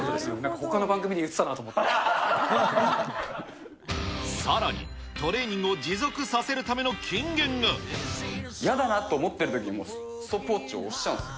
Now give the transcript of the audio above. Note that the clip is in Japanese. ほかの番組で言ってたなと思さらに、トレーニングを持続やだなって思ってるときもストップウォッチを押しちゃうんですよ。